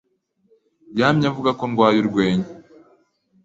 yamye avuga ko ndwaye urwenya.